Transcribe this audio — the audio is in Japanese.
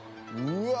「うわ！」